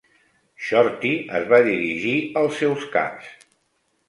Shorty es va dirigir als seus caps.